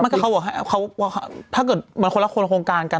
มันก็เขาว่าถ้าเกิดมันคนละคนละโครงการกัน